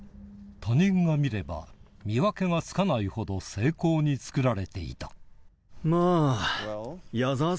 他人が見れば見分けがつかないほど精巧に作られていたまぁ。